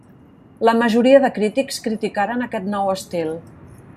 La majoria de crítics criticaren aquest nou estil.